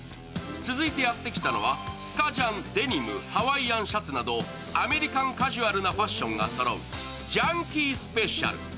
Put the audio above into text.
続いてやってきたのはスカジャン、デニム、ハワイアンシャツなどアメリカンカジュアルなファッションがそろうジャンキースペシャル。